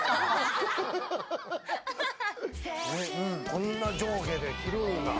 こんな上下で着るんだ。